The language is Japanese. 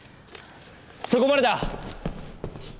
そこまでだ！